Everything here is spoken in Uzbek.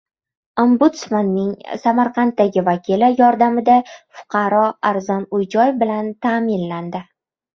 Ombudsmanning Samarqanddagi vakili yordamida fuqaro arzon uy-joy bilan ta’minlandi